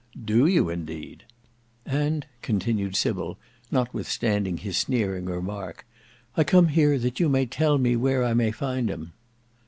"Do you indeed!" "And," continued Sybil notwithstanding his sneering remark, "I come here that you may tell me where I may find him."